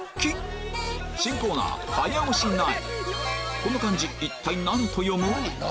この漢字一体何と読む？